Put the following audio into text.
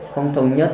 không thống nhất